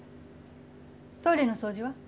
トイレの掃除は？